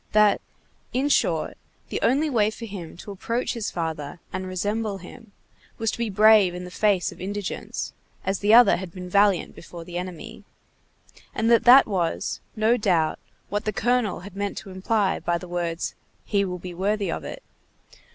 that, in short, the only way for him to approach his father and resemble him, was to be brave in the face of indigence, as the other had been valiant before the enemy; and that that was, no doubt, what the colonel had meant to imply by the words: "He will be worthy of it."